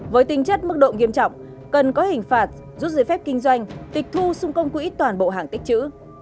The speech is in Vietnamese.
với tính chất mức độ nghiêm trọng cần có hình phạt giúp giới phép kinh doanh tịch thu xung công quỹ toàn bộ hàng tích chữ